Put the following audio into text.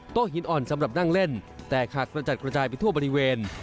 หินอ่อนสำหรับนั่งเล่นแตกกระจัดกระจายไปทั่วบริเวณ